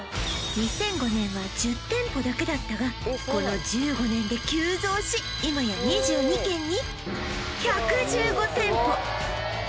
２００５年は１０店舗だけだったがこの１５年で急増し今や２２県に１１５店舗！